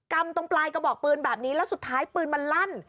ำตรงปลายกระบอกปืนแบบนี้แล้วสุดท้ายปืนมันลั่น